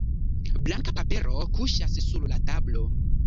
Blanka papero kuŝas sur la tablo.